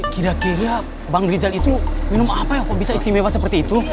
kira kira bang rizal itu minum apa yang kok bisa istimewa seperti itu